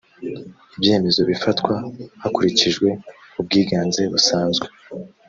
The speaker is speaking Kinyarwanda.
ibyemezo bifatwa hakurikijwe ubwiganze busanzwe